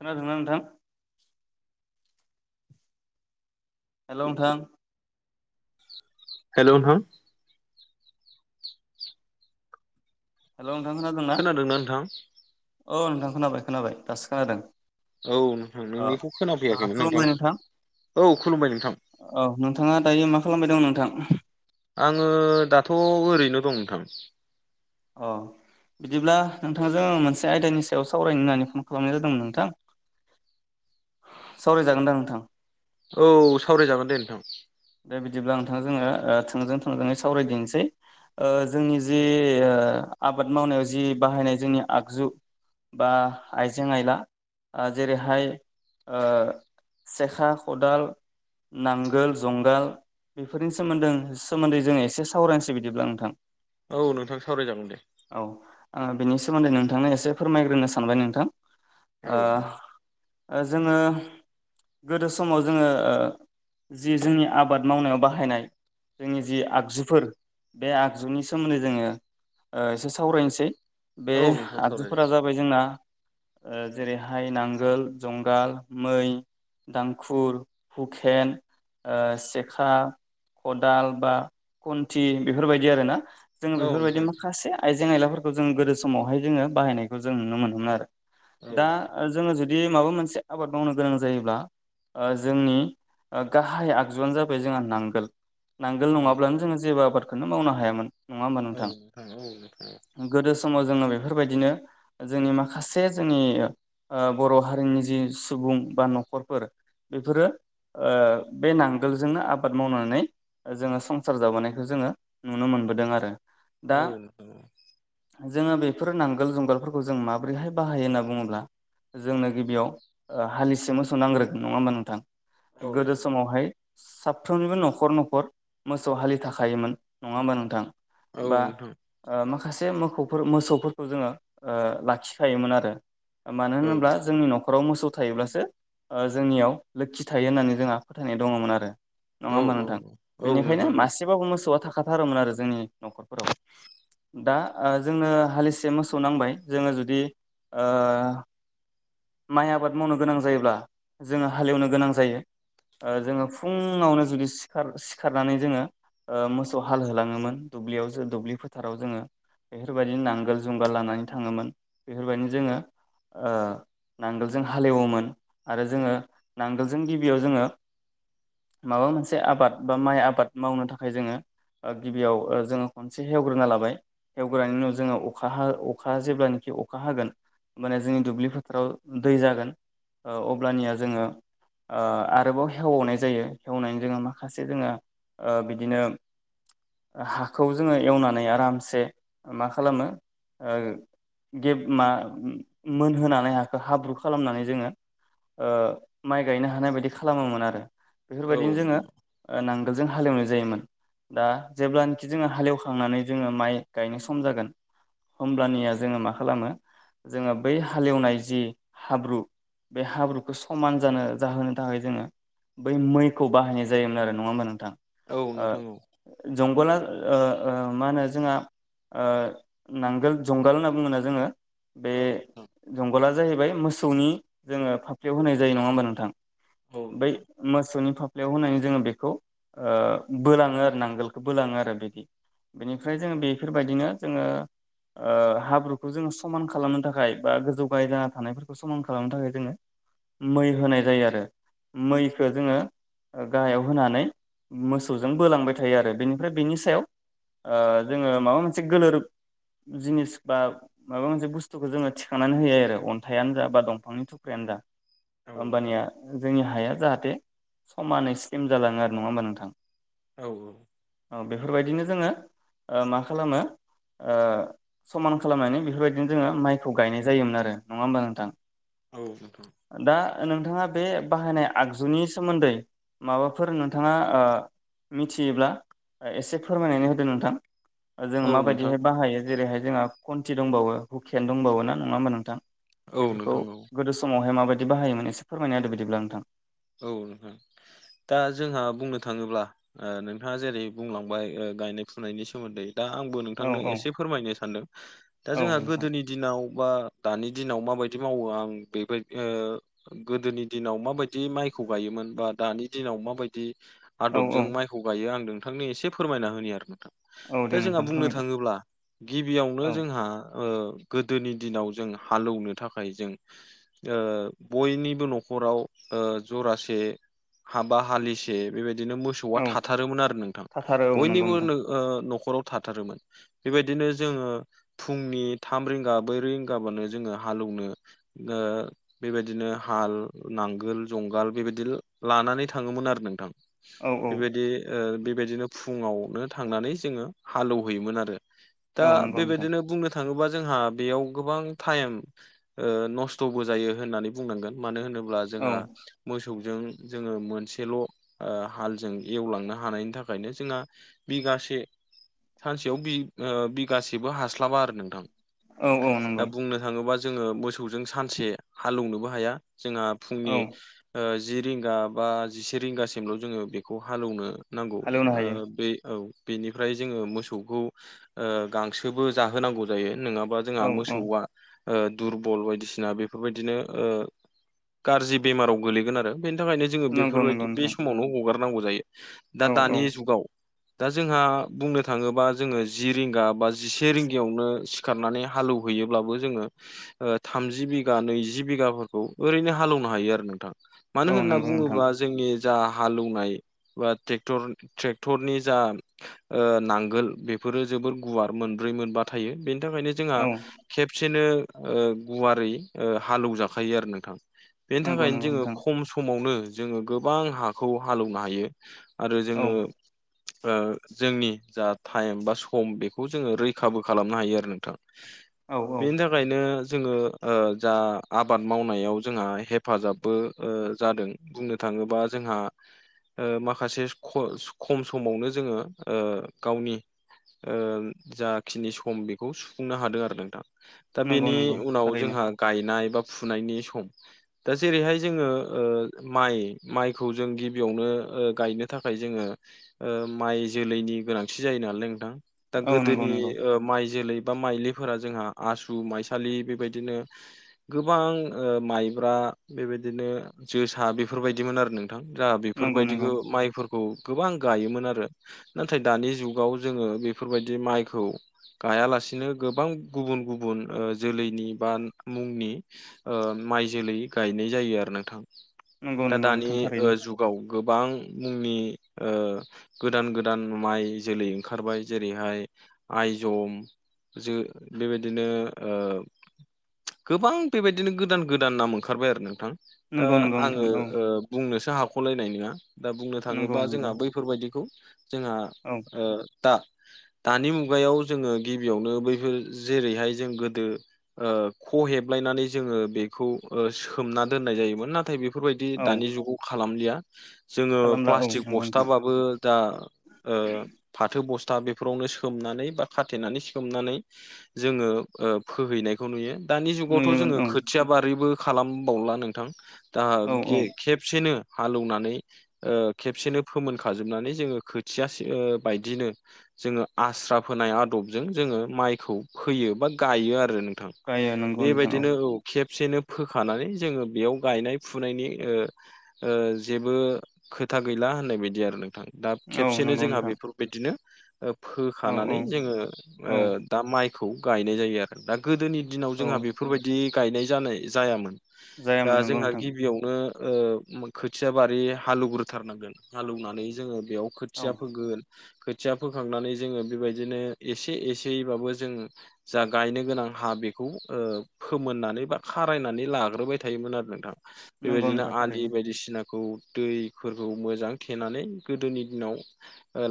खोनादोंना नोंथां? हेलौ नोंथां। हेलौ नोंथां। हेल' नोंथां खोनादों ना? खोनादोंना नोंथां औ नोंथां खोनाबाय खोनाबाय दासो खोनादों। औ नोंथां अ नोंनिखौ ओ खोनाफैयाखैमोन खुलुमबाय नोंथां। औ खुलुमबाय नोंथां। औ नोंथाङा दायो मा खालामबाय दं नोंथां? आङो दाथ' ओरैनो दं नोंथां। अ बिदिब्ला नोंथांजों आं मोनसे आयदानि सायाव सावरायनो होननानै फन खालामनाय जादोंमोन नोंथां। सावरायजागोनदां नोंथां? औ सावरायजागोन दे नोंथां। दे बिदिब्ला नोंथां जोङो ओ थोंजों थोंजोङै सावरायदिनसै। ओ जोंनि जि ओ आबाद मावनायाव जि बाहायनाय जोंनि आगजु बा आइजें आइला आ जेरैहाय ओ सेखा खदाल नांगोल जंगाल बेफोरनि सोमोन्दों सोमोन्दै जोङो एसे सावरायनसै बिदिब्ला नोंथां। औ नोंथां सावरायजागोन दे। औ आ बेनि सोमोन्दै नोंथांनो एसे फोरमायग्रोनो सानबाय नोंथां। औ आ ओ जोङो गोदो समाव जोङो ओ जि जोंनि आबाद मावनायाव बाहायनाय जोंनि जि आगजुफोर बे आगजुनि सोमोन्दै जोङो ओ एसे सावरायनसै बे औ नोंथां सावराय आगजुफोरा जाबाय जोंना ओ जेरैहाय नांगोल जंगाल मै दांखुर हुखेन ओ सेखा खदाल बा खुन्थि बेफोरबायदि आरोना। जोङो औ बेफोरबायदि नोंथां माखासे आइजें आयलाफोरखौ जों गोदो समावहाय जोङो बाहायनायखौ जों नुनो मोनोमोन आरो। औ दा ओ जोङो जुदि माबा मोनसे आबाद मावनो गोनां जायोब्ला ओ जोंनि ओ गाहाय आगजुआनो जाबाय जोंहा नांगोल नांगोल औ नङाब्लानो जोङो जेबो आबादखौनो मावनो हायामोन। नङा होमबा औ नोंथां? औ नोंथां गोदो समाव जोङो बेफोरबायदिनो जोंनि माखासे जोंनि ओ बर' हारिनि जि सुबुं बा न'खरफोर बेफोरो ओ बे नांगोलजोंनो आबाद मावनानै ओ जोङो संसार जाबोनायखो जोङो नुनो मोनबोदों आरो। दा औ नोंथां औ। जोङो बेफोर नांगोल जुंगालफोरखौ जों माबोरैहाय बाहायो होनना बुङोब्ला जोंनो गिबियाव ओ हालिसे मोसौ नांग्रोगोन नङा होमबा नोंथां? औ गोदोस नोंथां औ बहाय साफ्रोमनिबो न'खर न'खर मोसौ हालि थाखायायोमोन नङा होमबा नोंथां? औ बा नोंथां माखासे मोसौफोर मोसौफोरखौ जोङो लाखिखायोमोन आरो। मानो औ होनोब्ला जोंनि न'खराव मोसौ थायोब्लासो जोंनियाव लोखि थायो होननानै जोंहा। फोथायनाय दङमोन आरो नङा औ होमबा औ नोंथां औ बेनिखायनो नोंथां मा। औ एसेबाबो मोसौआ थाखाथारोमोन आरो जोंनि नखरफोराव। दा जोंनो हालिसे मोसौ नांबाय जोङो जुदि। माइ आबाद मावनो गोनां जायोब्ला जोङो हालेवनो गोनां जायो। जोङो फुङावनो जुदिखार सिखारनानै जोङो। मोसौ हाल होलाङोमोन दुब्लियाव जो दुब्लि फोथाराव जोङो। बेफोरबायदिनो नांगोल जुंगाल लानानै थाङोमोन बेफोरबायदिनो जोङो नांगोलजों हालेवोमोन आरो जोङो नांगोलजों गिबियाव जोङो। माबा मोनसे आबाद बा माइ आबाद मावनो थाखाय जोङो। गिबियाव जोङो खनसे हेवग्रोना लाबाय हवग्रनि उनाव जोङो अखा ह अखा जेब्लानोाखि अखा हागोन। माने जोंनि दुब्लि फोथाराव दै जागोन अब्लानिया जोङो। आरोबाव हेवनाय जायो हेवनायनि जोङो माखासे जोङो बिदिनो। हाखौ जोङो एवनानै आरामसे मा खालामो। गेब मा मोनहोनानै हाखौ हाब्रु खालामनानै जोङो। माइ गायनो हानाय बायदि खालामोमोन आरो बेफोर औ बायदिनो जोङो नोंथां नांगोलजों हालेवनाय जायोमोन। दा जेब्लानोाखि जोङो हालेवखांनानै जोङो माइ गायनाय सम जागोन। हब्लानिया जोङो मा खालामो। जोङो बै हालेवनाय जि हाब्रु बे हाब्रुखौ समान जानो जाहोनो। थाखाय जोङो बै मैखौ बाहायनाय जायोमोन आरो नङा होमबा नोंथाङा औ नोंथां औ। जंगल मा होनो जोंहा। नांगोल जुंगाल होनना बुङोना जोङो बे नोंथां जंगला जाहैबाय मोसौनि जोङो फाफ्लियाव होनाय जायो नङा होमबा नोंथां। औ बै नोंथां मसौनि फ स्लव होनानै जोङो बेखौ बोलाङो आरो नांगोलखौ बोलाङो आरो बिदि। बेनिफ्राय जोङो बेफोरबायदिनो जोङो। हाब्रुखौ जोङो समान खालामनो थाखाय बा गोजौ गाय जाना थानायफोरखौ। खौ समान खालामनो थाखाय जोङो मै होनाय जायो आरो मैखौो जोङो। गाहायाव होनानै मोसौजों बोलांबाय थायो आरो बेनिफ्राय बेनि सायाव। जोङो माबा मोनसे गोलोर जिनिस बा माबा मोनसे बुस्थुखौ जोङो थिखनानै होयो आरो अन्थाइयानो जा बा दंफांनि थुख्रायानो जा। औ नोंथां हबानिया जोंनि हाया जाहाथे समानै स्लिम जालाङो आरो नङा होमबा नोंथां। औ औ। औ बेफोरबायदिनो जोङो मा खालामो। समान खालामनानै बेफोरबायदिनो जोङो माइखौ गायनाय जायोमोन आरो नङा होमबा नोंथां। औ म दा नोंथाङा। बे बाहायनाय आगजुनि सोमोन्दै माबाफोर नोंथाङा। मिथियोब्ला एसे फोरमायनानै होदो नोंथां। जोङो औ नोंथां औ माबायदिहाय बाहायो जेरैहाय जोंहा कन्ट्रि दंबावो हुखिान दंबावो ना नङा होमबा नोंथां बेफोरखौ। नोंथां औ गोदो समावहाय माबायदि बायोमोन एसे फोरमायनाय आरो बिदिब्ला नोंथां। औ नोंथां दा जोंहा बुंनो थाङोब्ला। नोंथाङा जेरै बुंलांबाय गायनाय फुनायनि सोमोन्दै। दा आंबो औ नोंथांनो औ एसे फोरमायनो सानदों दा औ जोंहा नोंथां गोदोनि दिनाव बा दानि दिनाव माबायदि मावो आं बेबायदि गोदोनि दिनाव माबायदि माइखौ गायोमोन बा दानि दिनाव माबायदि औ आदबजों औ माइ खौ गायो आं नोंथांनो एसे फोरमायना होनि आरो नोंथां औ दे दा जोंहा नोंथां बुंनो फोरमायदो थाङोब्ला गिबियावनो औ जोंहा ओ गोदोनि दिनाव जों हालौनो थाखाय जों ओ बयनिबो न'खराव ओ जरासे हा बा हालिसे बेबायदिनो मोसौ फिसौआ औ थाथारोमोन आरो नोंथां थाथारो औ नंगौ बयनिबो नोंथां नो ओ न'खराव थाथारोमोन बेबायदिनो जोङो फुंनि थाम रिंगा ब्रै रिंगाबानो जोङो हालौवनो ओ बेबायदिनो हाल नांगोल जुंगाल बेबायदि लानानै थाङोमोन आरो नोंथां औ औ बेबायदि ओ बेबायदिनो फुङावनो थांनानै जोङो हालेवहैयोमोन आरो दा औ नंगौ नोंथां बेबायदिनो बुंनो थाङोबा जोंहा बेयाव गोबां टाइम ओ नस्थ'बो जायो होननानै बुंनांगोन मानो होनोब्ला औ जोंहा मोसौजों जोङो मोनसेल' ओ हालजों एवलांनो हानायनि थाखायनो जोंहा बिगासे सानसेयाव बि ओ बिगासेबो हास्लाबा आरो नोंथां औ औ दा नंगौ बुंनो थाङोबा जोङो मोसौजों सानसे हालौवनोबो हाया जोंहा फुंनि औ ओ जि रिंगा बा जिसे रिंगासिमल' जोङो बेखौ हालेवनो नांगौ हालेवनो हायो ओ बे औ बेनिफ्राय जोङो मोसौखौ ओ गांसोबो जाहोनांगौ जायो नङाबा जोंहा औ औ मोसौआ ओ दुरबल बायदिसिना बेफोरबायदिनो ओ गाज्रि बेमाराव गोलैगोन आरो बेनि थाखायनो जोङो नंगौ नंगौ बेफोरबायदि बे नोंथां समावनो हगारनांगौ जायो। औ दा औ दानि जुगाव दा जोंहा बुंनो थाङोबा जोङो जि रिंगा बा जिसे रिंगायावनो सिखारनानै हाल एवहैयोब्लाबो जोङो ओ थामजि बिगा नैजि बिगाफोरखौ ओरैनो हालेवनो हायो आरो नोंथां मानो औ होनना नंगौ नोंथां बुङोबा जोंनि जा हालेवनाय बा ट्रेक्टर ट्रेक्टरनि जा ओ नांगोल बेफोरो जोबोर गुवार मोनब्रै मोनबा थायो बेनि थाखायनो जोंहा औ खेबसेनो ओ गुवारै ओ हालेवजाखायो आरो नोंथां बेनि नंगौ थाखायनो नंगौ जोङो नोंथां खम समावनो जोङो गोबां हाखौ हालेवनो हायो। आरो औ जोङो ओ जोंनि जा टाइम बा सम बेखौ जोङो रैखाबो खालामनो हायो आरो नोंथां। [inaudible] बेनि थाखायनो जोङो ओ जा आबाद मावनायाव जोंआहाय हेफाजाबबो ओ जादों बुंनो थाङोबा जोंहा ओ माखासे खम समावनो जोङो ओ गावनि ओ जाखिनि सम बेखौ सुफुंनो हादों आरो नोंथां दा नंगौ बेनि नंगौ उनाव थारैनो जोंहा गायनाय बा फुनायनि सम दा जेरैहाय जोङो ओ माइ माइखौ जों गिबियावनो ओ गायनो थाखाय जोङो ओ माइ जोलैनि गोनांथि जायो नालाय नोंथां दा औ नंगौ गोदोनि नंगौ ओ माइ जोलै बा माइलि फोर जोंहा आसु माइसालि बेबायदिनो गोबां ओ माइब्रा बेबायदिनो जोसा बेफोरबायदिमोन आरो नोंथां जाहा नंगौ बेफोरबायदिखौ नंगौ माइफोर खौ गोबां गायोमोन आरो नाथाय दानि जुगाव जोङो बेफोरबायदि माइखौ गायालासिनो गोबां गुबुन गुबुन जोलैनि बा मुंनि ओ माइ जोलै गायनाय जायो आरो नोंथां नंगौ दा नंगौ दानि नोंथां थारैनो ओ जुग गाव गोबां मुंनि ओ गोदान गोदान माइ जोलै ओंखारबाय जेरैहाय आइजम जो बेबायदिनो ओ गोबां बेबायदिनो गोदान गोदान नाम ओंखारबाय आरो नोंथां दा नंगौ नंगौ नोंथां आङो औ बुंनोसो हाख'लायनाय नङा दा बुंनो नंगौ थाङोबा नंगौ जोंहा बैफोरबायदिखौ जोंहा औ ओ दा दानि मुगायाव जोङो गिबियावनो बैफोर जेरैहाय जों गोदो ओ ख हेबलायनानै जोङो बेखौ ओ सोमना दोननाय जायोमोन नाथाय बेफोरबायदि औ दानि जुगाव खालामलिया जोङो खालामला औ प्लास्टिक नंगौ नोंथां बस्थाबाबो दा फाथो बस्था बेफोरावनो सोमनानै बा खाथेनानै सोमनानै जोङो ओ फोहैनायखौ नुयो दानि जुगावथ' नुयोमोन जोङो औ खोथिया बारिबो खालामबावला नोंथां दा औ गे औ खेबसेनो हालेवनानै ओ खेबसेनो फोमोनखाजोबनानै जोङो खोथियासे ओ बायदिनो जोङो आस्रा फोनाय आदबजों जोङो माइखौ फोयो बा गायो आरो नोंथां गायो नंगौ नोंथां बेबायदिनो औ खेबसेनो फोखानानै जोङो बेयाव गायनाय फुनायनि ओ ओ जेबो खोथा गैला होननाय बायदि आरो नोंथां दा औ खेबसेनो नंगौ जोंहा नोंथां बेफोरबायदिनो औ फोखानानै औ जोङो ओ औ दा माइखौ गायनाय जायो आरो दा गोदोनि दिनाव औ जोंहा बेफोरबायदि गायनाय जानाय जायामोन दा जायामोन नंगौ जोंहा नोंथां गिबियावनो ओ खोथिया बारि हाल एवग्रोथारनांगोन हाल एवनानै जोङो बेयाव औ खोथिया फोगोन खोथिया फोखांनानै जोङो बेबायदिनो एसे एसेयैबाबो जों जा गायनो गोनां हा बेखौ ओ फोमोननानै बा खारायनानै लाग्रोबाय थायोमोन आरो नोंथां नंगौ बेबायदिनो नोंथां आलि थारैनो बायदिसिनाखौ दै फोरखौ मोजां थेनानै गोदोनि दिनाव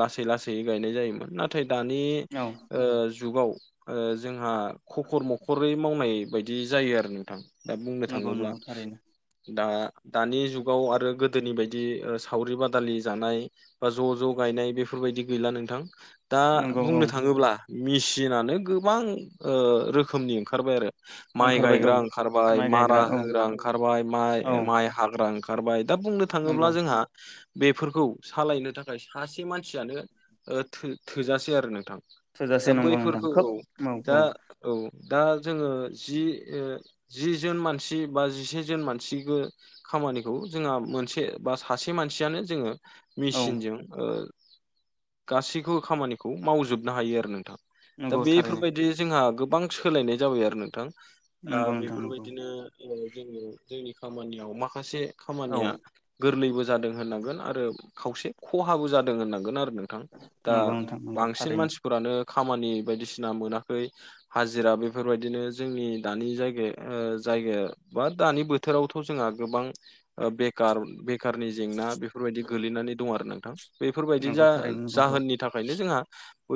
लासै लासै गायनाय जायोमोन नाथाय दानि औ ओ जुगाव ओ जोंहा खखर मखरै मावनाय बायदि जायो आरो नोंथां दा बुंनो नंगौ थाङोब्ला नंगौ थारैनो दा दानि जुगाव आरो गोदोनि बायदि सावरि बादालि जानाय बा ज' ज' गायनाय बेफोरबायदि गैला नोंथां दा नंगौ औ बुंनो थाङोब्ला मेसिनानो गोबां ओ रोखोमनि ओंखारबाय आरो माइ ओंखारबाय गायग्रा औ ओंखारबाय माइ मारा गायग्रा औ होग्रा ओंखारबाय औ मम-माइ हाग्रा ओंखारबाय दा बुंनो नंगौ थाङोब्ला जोंहा बेफोरखौ सालायनो थाखाय सासे मानसियानो ओ थो थोजासे आरो नोंथां थोजासे दा नंगौ नोंथां बैफोरखौ खोब औ दा औ औ दा जोङो जि ओ जि जोन मानसि बा जिसेजोन मानसिखौ खामानिखौ जोंहा मोनसे बा सासे मानसियानो जोङो औ मेसिनजों ओ गासैखौबो खामानिखौ मावजोबनो हायो आरो नोंथां दा नंगौ थारैनो बेफोरबायदि जोंहा गोबां सोलायनाय जाबाय आरो नोंथां नंगौ नोंथां नंगौ ओम जोंनियाव जोंनि खामानियाव माखासे औ खामानिया गोरलैबो जादों होननांगोन आरो खावसे ख'हाबो जादों होननांगोन आरो नों थां दा नंगौ नोंथां नंगौ बांसिन थारैनो मानसि फोरानो खामानि बायदिसिना मोनाखै हाजिरा बेफोरबायदिनो जोंनि दानि जायगाया ओ जायगाया बा दानि बोथोरावथ' जोंहा गोबां ओ बेखार बेखारनि जेंना बेफोरबायदि गोलैनानै दं आरो नोंथां बेफोरबायदि नंगौ जा- थारैनो नंगौ जाहोननि नि थाखायनो जोंहा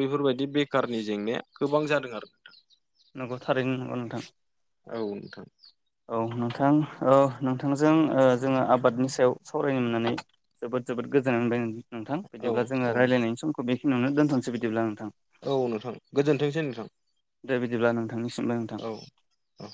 बैफोरबायदि बेखारनि जेंनाया गोबां जादों आरो नंगौ थारैनो नंगौ नोंथां औ नोंथां औ नोंथां ओ नोंथांजों ओ जोङो आबादनि सायाव सावरायनो मोननानै जोबोद जोबोद गोजोननाय मोनबाय नोंथां औ बिदिब्ला जोङो औ रायलायनायनि समखौ बेखिनियावनो दोनथ'नोसै बिदिब्ला नोंथां औ नोंथां गोजोनथोंसै नोंथां। दे बिदिब्ला नोंथांनिसिमबो नोंथां। औ औ।